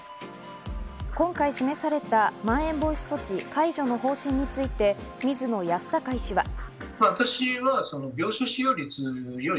今回示されたまん延防止措置解除の方針について水野泰孝医師は。